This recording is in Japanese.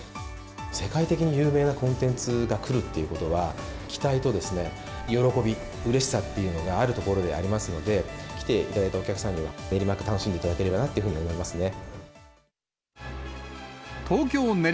世界的に有名なコンテンツが来るっていうことは、期待と喜び、うれしさっていうのがあるところではありますので、来ていただいたお客さんには、練馬区、楽しんでいただければなって思いますね。